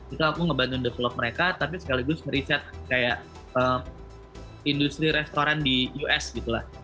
itu aku ngebantu develop mereka tapi sekaligus ngeriset kayak industri restoran di us gitu lah